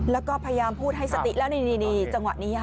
แล้วก็พยายามพูดให้สติแล้วนี่จังหวะนี้ค่ะ